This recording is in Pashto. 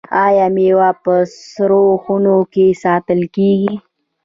آیا میوه په سړو خونو کې ساتل کیږي؟